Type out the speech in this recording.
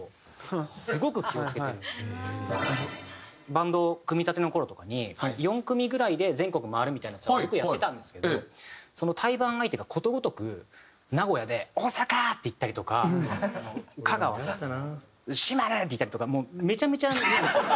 バンド組みたての頃とかに４組ぐらいで全国回るみたいなツアーよくやってたんですけどその対バン相手がことごとく名古屋で「大阪！」って言ったりとか香川でその「島根！」って言ったりとかもうめちゃめちゃになるんですよ。